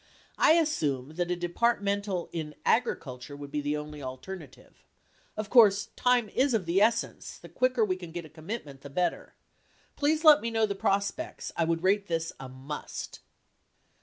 I assume that a departmental in Agriculture would be the only alternative. Of course, time is of the essence — the quicker we can get a commitment, the better. Please let me know the prospects. I would rate this as a MUST.